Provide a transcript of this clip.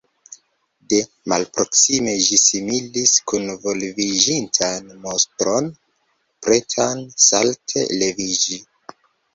De malproksime ĝi similis kunvolviĝintan monstron, pretan salte leviĝi.